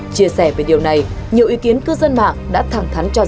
chia sẻ về điều này nhiều ý kiến cư dân mạng đã thẳng thắn cho rằng